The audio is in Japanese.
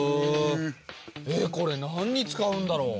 これなんに使うんだろう？